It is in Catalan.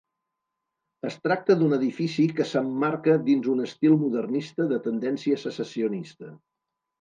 Es tracta d'un edifici que s'emmarca dins un estil modernista de tendència secessionista.